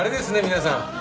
皆さん。